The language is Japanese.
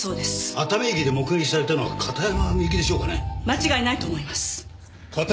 熱海駅で目撃されたのは片山みゆきでしょうかね？